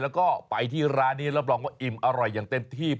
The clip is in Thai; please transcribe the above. แล้วก็ไปที่ร้านนี้รับรองว่าอิ่มอร่อยอย่างเต็มที่